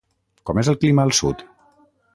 Com és el clima al sud?